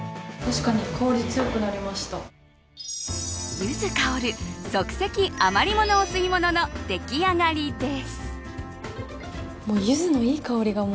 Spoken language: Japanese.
ユズ香る即席余りものお吸い物のでき上がりです。